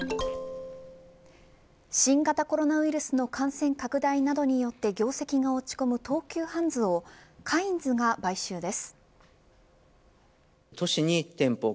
新型コロナウイルスの感染拡大などによって業績が落ち込む東急ハンズをカインズが買収です。